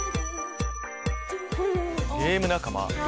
「ゲーム仲間」